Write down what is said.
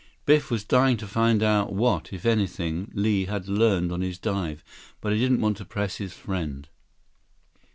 Biff was dying to find out what, if anything, Li had learned on his dive, but he didn't want to press his friend.